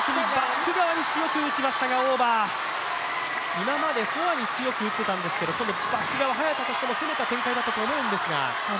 今までフォアに強く打っていたんですけど、バック側、早田としても攻めた展開だったと思うんですけど。